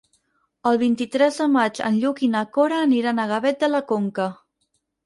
El vint-i-tres de maig en Lluc i na Cora aniran a Gavet de la Conca.